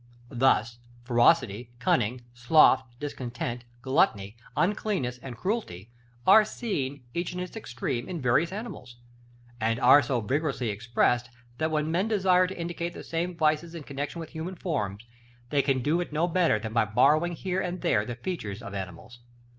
Thus, ferocity, cunning, sloth, discontent, gluttony, uncleanness, and cruelty are seen, each in its extreme, in various animals; and are so vigorously expressed, that when men desire to indicate the same vices in connexion with human forms, they can do it no better than by borrowing here and there the features of animals.